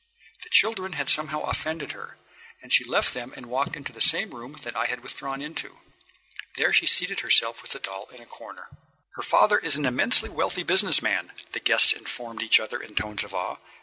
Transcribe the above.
The children had somehow offended her, and she left them and walked into the same room that I had withdrawn into. There she seated herself with her doll in a corner. "Her father is an immensely wealthy business man," the guests informed each other in tones of awe.